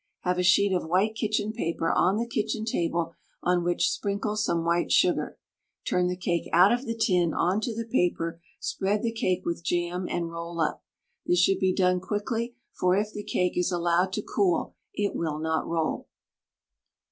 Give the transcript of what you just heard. Have a sheet of white kitchen paper on the kitchen table, on which sprinkle some white sugar. Turn the cake out of the tin on to the paper, spread the cake with jam, and roll up. This should be done quickly, for if the cake is allowed to cool it will not roll.